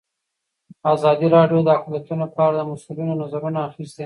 ازادي راډیو د اقلیتونه په اړه د مسؤلینو نظرونه اخیستي.